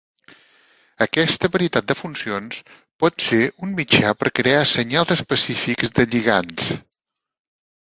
Aquesta varietat de funcions pot ser un mitjà per crear senyals específics de lligands.